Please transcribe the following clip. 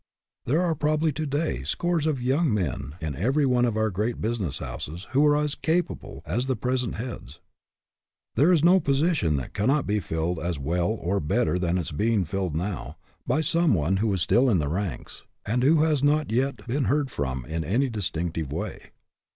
There are probably to day scores of young men in every one of our great business houses who are as capable as the present heads. There is no position that cannot be filled as well or better than it is being filled now, by someone who is still in the ranks and who has RESPONSIBILITY DEVELOPS 97 not yet been heard from in any distinctive way.